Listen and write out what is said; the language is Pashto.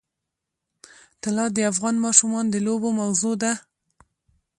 طلا د افغان ماشومانو د لوبو موضوع ده.